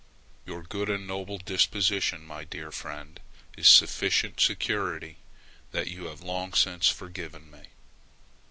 Your good and noble disposition, my dear friend, is sufficient security that you have long since forgiven me.